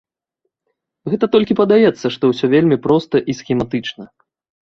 Гэта толькі падаецца, што ўсё вельмі проста і схематычна.